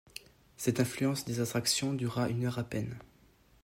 Cette influence des attractions dura une heure à peine.